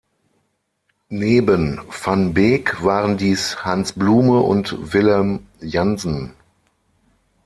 Neben van Beek waren dies Hans Blume und Willem Janssen.